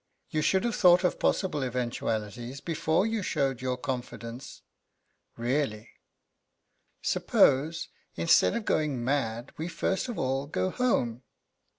You should have thought of possible eventualities before you showed your confidence really. Suppose, instead of going mad, we first of all go home?"